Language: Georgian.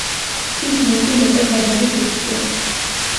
მთის მოცვი მეტად დაბალი ბუჩქია.